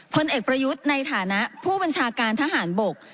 พลเอกประยุทธ์ในฐานะผู้บัญชาการทหารบก